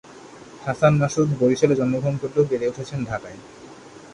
হাসান মাসুদ বরিশালে জন্মগ্রহণ করলেও বেড়ে উঠেছেন ঢাকায়।